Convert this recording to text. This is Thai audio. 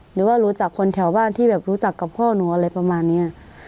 หรือว่ารู้จักคนแถวบ้านที่แบบรู้จักกับพ่อหนูอะไรประมาณนี้